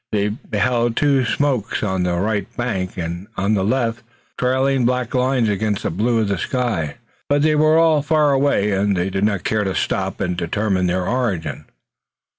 They beheld two smokes on the right bank, and one on the left, trailing black lines against the blue of the sky, but they were all far away, and they did not care to stop and determine their origin.